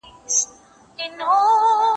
هغه څوک چي کالي مينځي منظم وي؟